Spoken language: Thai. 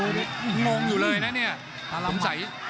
งงอยู่เลยนะเนี่ย